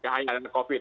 hanya karena covid